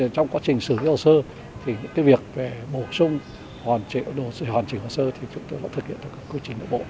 trong quá trình xử lý hồ sơ những việc bổ sung hồ sơ thì chúng tôi đã thực hiện